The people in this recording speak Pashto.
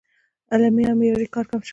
علمي او معیاري کار کم شوی